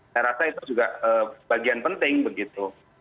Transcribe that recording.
saya rasa itu juga bagian penting begitu